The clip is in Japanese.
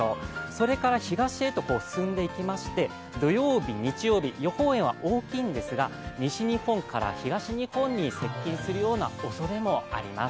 それから東へと進んでいきまして、土曜日、日曜日、予報円は大きいんですが西日本から東日本に接近するようなおそれもあります。